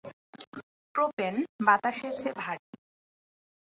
Propane বাতাসের চেয়ে ভারী।